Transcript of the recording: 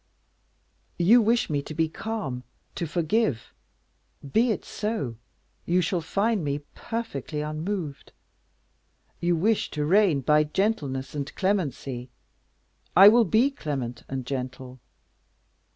You wish me to be calm, to forgive? be it so, you shall find me perfectly unmoved. You wish to reign by gentleness and clemency? I will be clement and gentle.